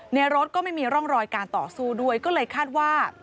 รถก็ไม่มีร่องรอยการต่อสู้ด้วยก็เลยคาดว่า